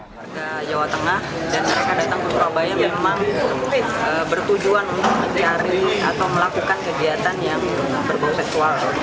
warga jawa tengah dan mereka datang ke surabaya memang bertujuan untuk mencari atau melakukan kegiatan yang berbau seksual